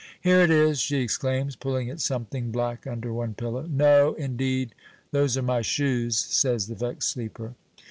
"Here it is," she exclaims, pulling at something black under one pillow. "No, indeed, those are my shoes," says the vexed sleeper.